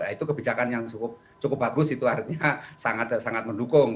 itu kebijakan yang cukup bagus itu artinya sangat mendukung